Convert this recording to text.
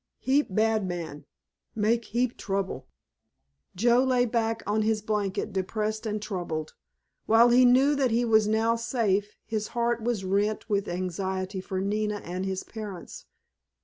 Heap bad man. Make heap trouble." Joe lay back on his blanket depressed and troubled. While he knew that he was now safe his heart was rent with anxiety for Nina and his parents.